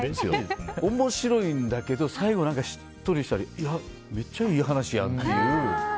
面白いんだけど最後はしっとりしていや、めっちゃいい話やんっていう。